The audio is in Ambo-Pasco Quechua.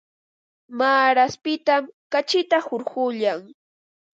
Maaraspitam kachita hurquyan.